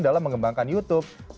dalam mengembangkan youtube